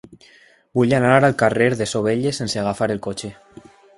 Vull anar al carrer de Sovelles sense agafar el cotxe.